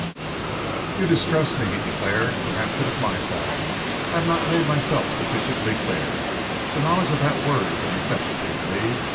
"You distress me," he declared. "Perhaps it is my fault. I have not made myself sufficiently clear. The knowledge of that word is a necessity to me.